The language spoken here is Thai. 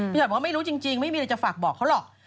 หอยบอกว่าไม่รู้จริงไม่มีอะไรจะฝากบอกเขาหรอก